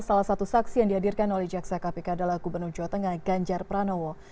salah satu saksi yang dihadirkan oleh jaksa kpk adalah gubernur jawa tengah ganjar pranowo